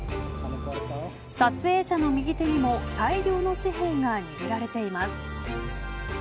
撮影者の右手にも大量の紙幣が握られています。